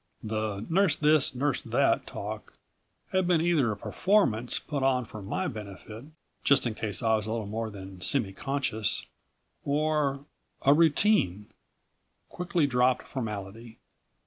The "nurse this, nurse that" talk had been either a performance, put on for my benefit just in case I was a little more than semiconscious or a routine, quickly dropped formality.